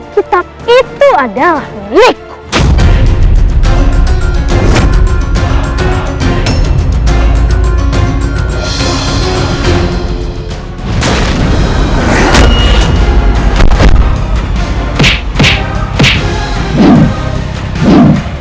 kitab itu adalah milikku